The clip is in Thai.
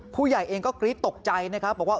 ผู้ใหญ่เองก็กรี๊ดตกใจนะครับ